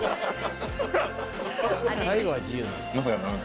最後は自由に。